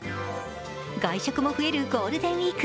外食も増えるゴールデンウイーク。